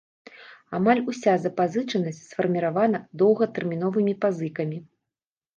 Амаль уся запазычанасць сфарміравана доўгатэрміновымі пазыкамі.